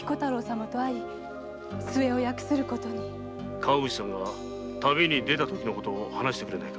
川口さんが旅に出たときのことを話してくれないか？